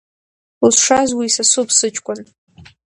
Узшаз уисасуп, сыҷкәын.